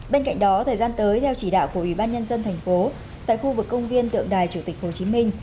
bên cạnh đó thời gian tới theo chỉ đạo của ủy ban nhân dân thành phố tại khu vực công viên tượng đài chủ tịch hồ chí minh